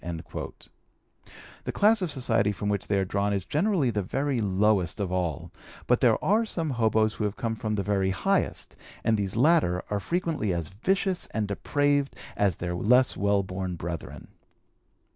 " The class of society from which they are drawn is generally the very lowest of all, but there are some hoboes who have come from the very highest, and these latter are frequently as vicious and depraved as their less well born brethren.